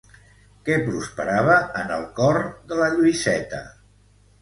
Què prosperava en el cor de la Lluïseta?